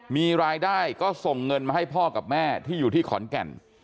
มีรายได้ก็ส่งเงินมาให้พ่อกับแม่ที่อยู่ที่ขอนแก่น